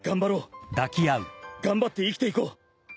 頑張って生きていこう。